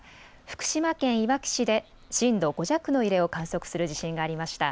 福島県いわき市で震度５弱の揺れを観測する地震がありました。